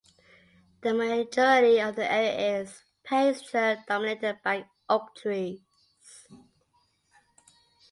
The majority of the area is pasture dominated by oak trees.